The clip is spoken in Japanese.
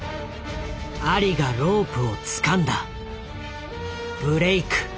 アリがロープをつかんだ。ブレイク。